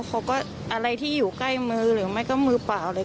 เขาก็อะไรที่อยู่ใกล้มือหรือไม่ก็มือเปล่าอะไร